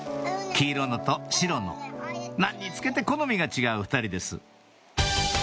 黄色のと白の何につけて好みが違う２人です